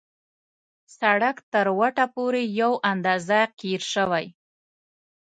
سړک تر وټه پورې یو اندازه قیر شوی.